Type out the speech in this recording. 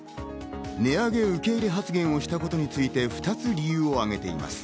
値上げ受け入れ発言をしたことについて２つ理由を挙げています。